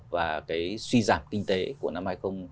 và cái suy giảm kinh tế của năm